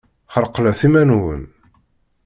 Ḥreklet iman-nwen!